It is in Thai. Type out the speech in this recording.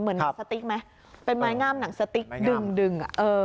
หนังสติ๊กไหมเป็นไม้งามหนังสติ๊กดึงดึง